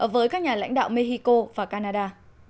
với các nhà lãnh đạo mexico và canada